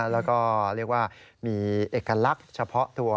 แล้วก็เรียกว่ามีเอกลักษณ์เฉพาะตัว